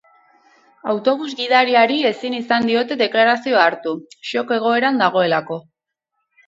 Autobus-gidariari ezin izan diote deklarazioa hartu, shock egoeran dagoelako.